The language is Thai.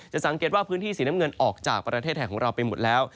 สังเกตว่าพื้นที่สีน้ำเงินออกจากประเทศไทยของเราไปหมดแล้ว